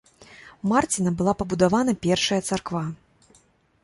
Марціна была пабудавана першая царква.